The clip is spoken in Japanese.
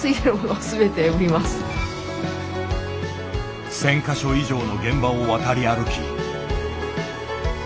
１０００か所以上の現場を渡り歩き。